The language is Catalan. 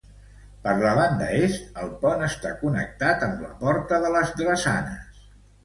Per la banda est, el pont està connectat amb la porta de les drassanes.